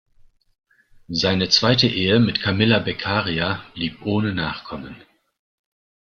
Seine zweite Ehe mit Camilla Beccaria blieb ohne Nachkommen.